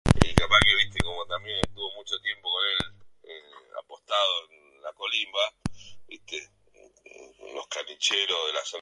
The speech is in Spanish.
Dios los entregó á una mente depravada, para hacer lo que no conviene,